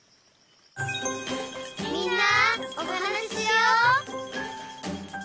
「みんなおはなししよう」